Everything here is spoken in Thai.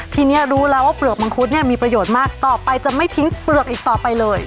ทีนี้รู้แล้วว่าเปลือกมังคุดเนี่ยมีประโยชน์มากต่อไปจะไม่ทิ้งเปลือกอีกต่อไปเลย